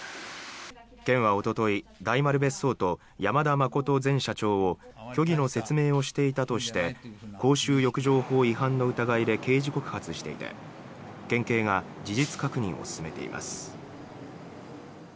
県はおととい大丸別荘と山田眞前社長を虚偽の説明をしていたとして公衆浴場法違反の疑いで刑事告発していて県警が事実確認を進めています。